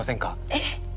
えっ？